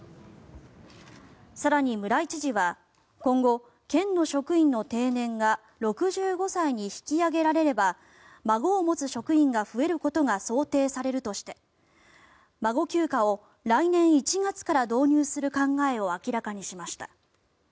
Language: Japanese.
更に村井知事は今後、県の職員の定年が６５歳に引き上げられれば孫を持つ職員が増えることが想定されるとして孫休暇を来年１月から導入する考えを明らかにしました。